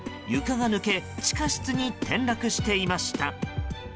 床が抜け地下室に転落していました。